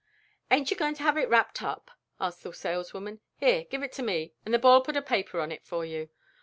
"Ain't you going to have it wrapped up?" asked the saleswoman. "Here, give it to me, and the boy'll put a paper on it for you."